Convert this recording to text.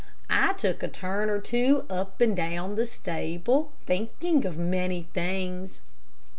I took a turn or two up and down the stable, thinking of many things.